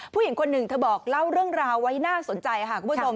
ผู้หญิงคนหนึ่งเธอบอกเล่าเรื่องราวไว้น่าสนใจค่ะคุณผู้ชม